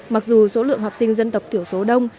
mặc dù số lượng học sinh dân tộc thiểu số đông